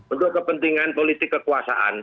untuk kepentingan politik kekuasaan